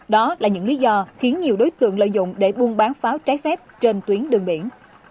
đó là những lý do khiến nhiều đối tượng lợi dụng để buôn bán pháo trái phép trên tuyến đường biển